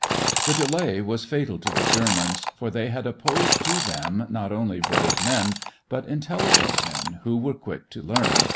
The delay was fatal to the Germans, for they had opposed to them not only brave men but intelligent men who were quick to learn.